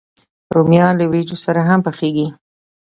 رومیان له وریجو سره هم پخېږي